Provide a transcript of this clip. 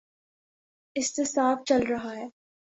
احتساب چل رہا ہے۔